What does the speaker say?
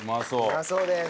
うまそうです。